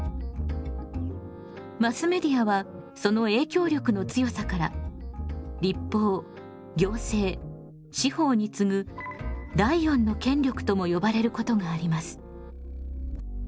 マスメディアはその影響力の強さから立法行政司法につぐ第四の権力とも呼ばれることがあります。